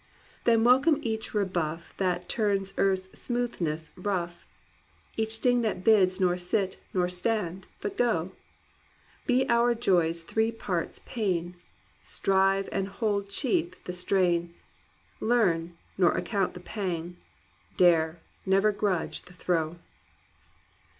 Then welcome each rebuff That turns earth's smoothness rough. Each sting that bids nor sit nor stand but go ! Be our joys three parts pain ! Strive and hold cheap the strain; Learn, nor account the pang; dare, never grudge the throe